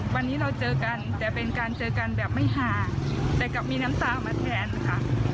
วันนี้เราเจอกันแต่เป็นการเจอกันแบบไม่ห่างแต่กลับมีน้ำตามาแทนค่ะ